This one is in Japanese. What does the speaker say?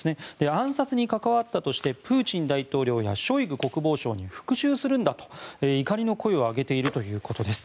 暗殺に関わったとしてプーチン大統領やショイグ国防相に復讐するんだと怒りの声を上げているということです。